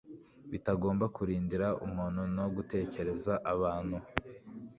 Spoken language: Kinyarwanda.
bitagomba kurindira umuntu no gutegereza abantu."